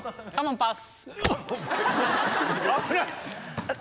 パス。